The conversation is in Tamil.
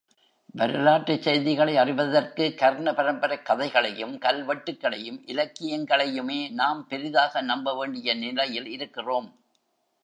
வரலாற்றுச் செய்திகளை அறிவதற்கு கர்ணபரம்பரைக் கதைகளையும், கல் வெட்டுகளையும், இலக்கியங்களையுமே நாம் பெரிதாக நம்பவேண்டிய நிலையில் இருக்கிறோம்.